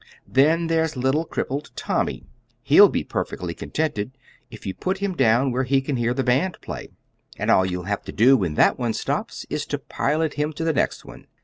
Then there's little crippled Tommy he'll be perfectly contented if you'll put him down where he can hear the band play. And all you'll have to do when that one stops is to pilot him to the next one.